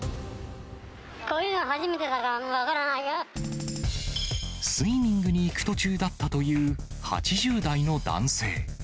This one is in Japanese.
こういうの初めてだから分かスイミングに行く途中だったという８０代の男性。